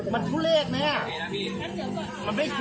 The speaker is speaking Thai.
มันทูเลกไหมครับ